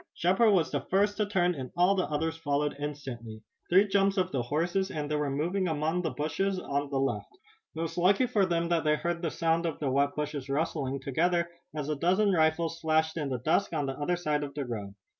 Shepard was the first to turn and all the others followed instantly. Three jumps of the horses and they were among the bushes and trees on the left. It was lucky for them that they had heard the sound of the wet bushes rustling together, as a dozen rifles flashed in the dusk on the other side of the road.